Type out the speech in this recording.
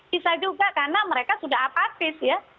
bisa juga karena mereka sudah apatis ya